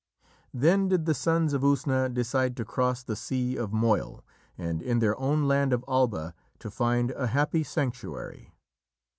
Then did the Sons of Usna decide to cross the Sea of Moyle, and in their own land of Alba to find a happy sanctuary.